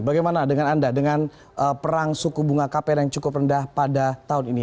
bagaimana dengan anda dengan perang suku bunga kpr yang cukup rendah pada tahun ini